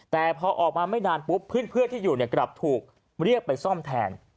แต่พอออกมาไม่นานปุ๊บเพื่อนที่อยู่กลับถูกเรียกไปซ่อมแทน